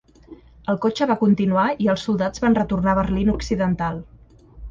El cotxe va continuar i els soldats van retornar a Berlín Occidental.